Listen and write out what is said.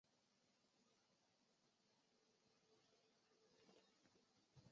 科斯的朗提亚克。